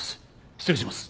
失礼します。